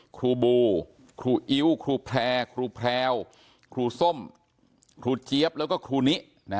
ครูบูครูอิ๊วครูแพร่ครูแพรวครูส้มครูเจี๊ยบแล้วก็ครูนิ